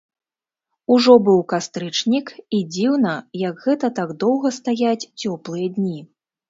Ужо быў кастрычнік, і дзіўна, як гэта так доўга стаяць цёплыя дні.